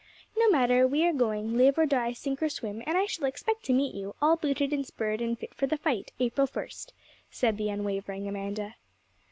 'No matter, we are going, live or die, sink or swim; and I shall expect to meet you, all booted and spurred and fit for the fight, April first,' said the unwavering Amanda.